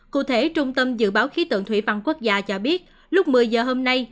cụ thể trung tâm dự báo khí tượng thủy văn quốc gia cho biết lúc một mươi giờ hôm nay